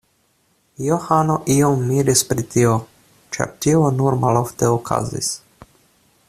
Johano iom miris pri tio, ĉar tio nur malofte okazis.